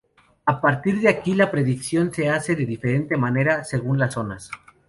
A partir de aquí, la predicción se hace de diferente manera según las zonas.